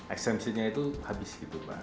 exemption nya itu habis gitu mbak